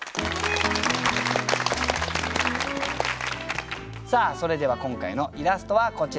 さあそれでは今回のイラストはこちらです。